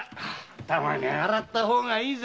たまには洗った方がいいぜ。